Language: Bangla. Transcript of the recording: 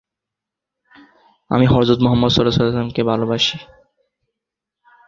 রেজাউল হাসানের গল্প ও সংলাপে ছবিটির চিত্রনাট্য লিখেছেন মইনুল হোসেন।